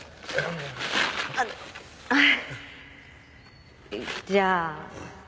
あっじゃあ。